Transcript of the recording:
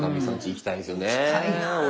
行きたいなぁ。